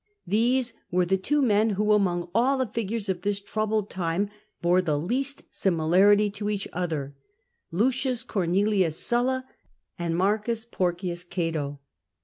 These were the two men who, among all the figures of this troubled time, bore the least similarity to each other — Lucius Cornelius Sulla and Marcus Porcius Cato.